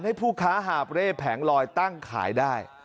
ให้ผู้ค้าหาบเร่แผงลอยตั้งขายได้